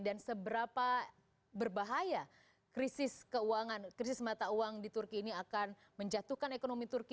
dan seberapa berbahaya krisis keuangan krisis mata uang di turki ini akan menjatuhkan ekonomi turki